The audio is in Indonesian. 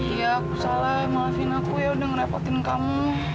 iya aku salah maafin aku ya udah ngerepotin kamu